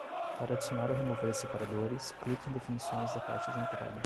Para adicionar ou remover separadores, clique em definições da caixa de entrada.